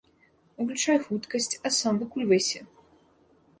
Уключай хуткасць, а сам выкульвайся.